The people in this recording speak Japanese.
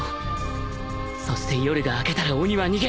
そして夜が明けたら鬼は逃げる